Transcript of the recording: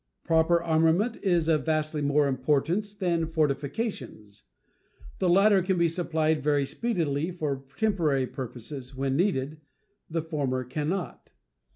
Proper armament is of vastly more importance than fortifications. The latter can be supplied very speedily for temporary purposes when needed; the former can not."